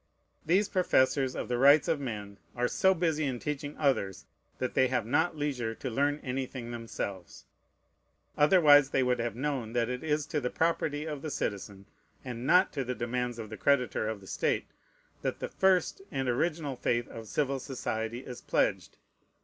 These professors of the rights of men are so busy in teaching others, that they have not leisure to learn anything themselves; otherwise they would have known that it is to the property of the citizen, and not to the demands of the creditor of the state, that the first and original faith of civil society is pledged.